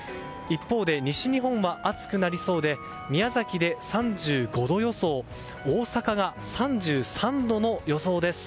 一方で西日本は暑くなりそうで宮崎で３５度予想大阪が３３度の予想です。